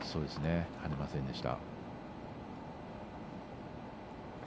跳ねませんでした。